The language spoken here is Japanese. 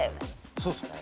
そうですね。